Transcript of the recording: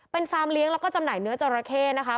เป็นฟาร์มเลี้ยงแล้วก็จำหน่ายเนื้อจราเข้นะคะ